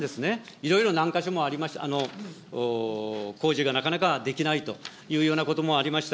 いろいろ何箇所もありました、工事がなかなかできないというようなこともありました。